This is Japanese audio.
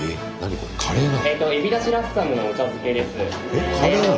これカレーなの？